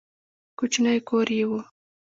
کوچنی کور یې و.